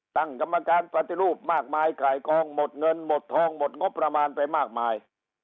ตั้งกรรมการปฏิรูปมากมายขายกองหมดเงินหมดทองหมดงบประมาณไปมากมาย